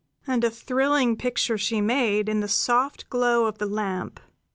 And a thrilling picture she made in the soft glow of the lamp.